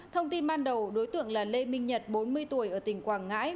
thông tin ban đầu đối tượng là lê minh nhật bốn mươi tuổi ở tỉnh quảng ngãi